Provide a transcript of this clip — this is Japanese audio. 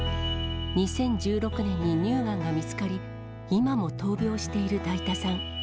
２０１６年に乳がんが見つかり、今も闘病しているだいたさん。